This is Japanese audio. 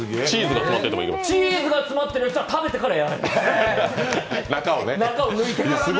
チーズが詰まってるやつは食べてからやる。